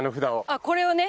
あっこれをね。